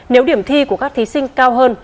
nếu điểm thi của các thí sinh cao hơn